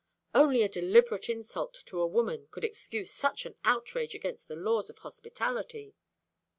Only a deliberate insult to a woman could excuse such an outrage against the laws of hospitality.